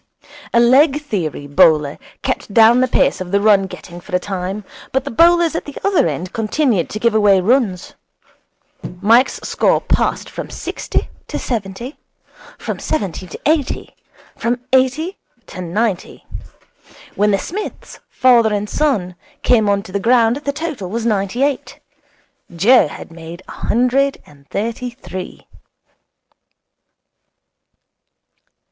A leg theory bowler kept down the pace of the run getting for a time, but the bowlers at the other end continued to give away runs. Mike's score passed from sixty to seventy, from seventy to eighty, from eighty to ninety. When the Smiths, father and son, came on to the ground the total was ninety eight. Joe had made a hundred and thirty three.